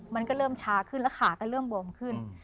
มันก็เริ่มชาขึ้นแล้วขาก็เริ่มบวมขึ้น